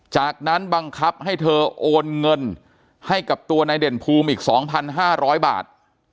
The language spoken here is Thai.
จากนั้นบังคับให้เธอโอนเงินให้กับตัวนายเด่นภูมิอีก๒๕๐๐บาท